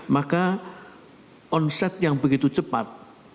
maka omset yang begitu cepat